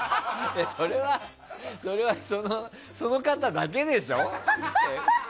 それは、その方だけでしょ。